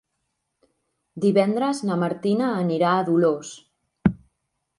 Divendres na Martina anirà a Dolors.